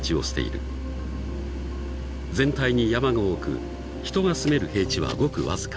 ［全体に山が多く人が住める平地はごくわずか］